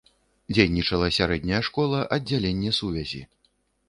Дзейнічала сярэдняя школа, аддзяленне сувязі.